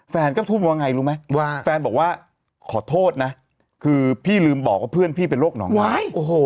แฟนก็พูดว่าไงรู้ไหมว่าแฟนบอกว่าขอโทษนะคือพี่ลืมบอกว่าเพื่อนพี่เป็นโรคหนองวาย